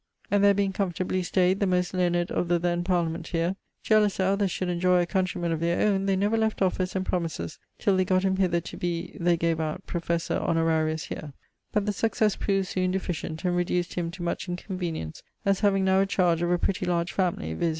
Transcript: And there being comfortably stayed, the most learned of the then parliament heer, jealous that others should enjoy a countryman of their own, they never left offers and promises till they got him hither to be they gave out Professor Honorarius heer. But the sucesse prov'd soon deficient, and reduced him to much inconvenience, as having now a charge of a pretty large family, viz.